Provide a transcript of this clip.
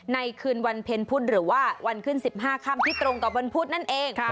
คืนวันเพ็ญพุธหรือว่าวันขึ้น๑๕ค่ำที่ตรงกับวันพุธนั่นเอง